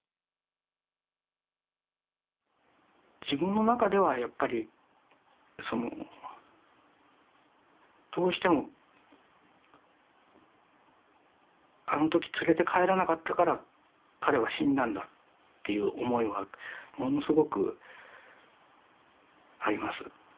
自分の中ではやっぱりどうしてもあの時連れて帰らなかったから彼は死んだんだっていう思いはものすごくあります。